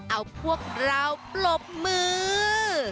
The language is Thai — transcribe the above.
เอาพวกเราปรบมือ